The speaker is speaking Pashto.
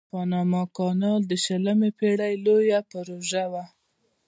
د پاناما کانال د شلمې پیړۍ لویه پروژه وه.